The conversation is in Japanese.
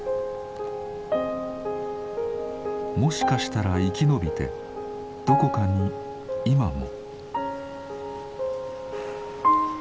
もしかしたら生き延びてどこかに今も。